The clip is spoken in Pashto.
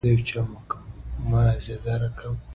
نــن د عـدم تـشدود د ســتــر لارښــود